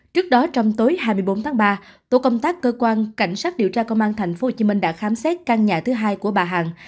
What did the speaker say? trước đó trong tối hai mươi bốn tháng ba tổ công tác cơ quan cảnh sát điều tra công an tp hcm đã khám xét căn nhà thứ hai của bà hằng